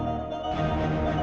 badan tolongin pak